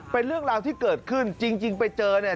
เป็นเรื่องราวที่เกิดขึ้นจริงไปเจอเนี่ย